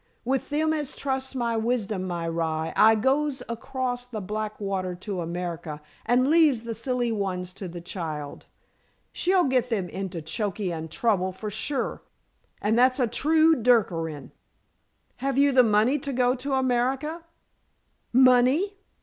With them as trusts my wisdom, my rye, I goes across the black water to America and leaves the silly ones to the child. She'll get them into choky and trouble, for sure. And that's a true dukkerin." "Have you the money to go to America?" "Money?"